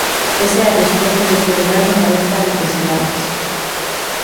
Esa é a resposta deste goberno para estas necesidades.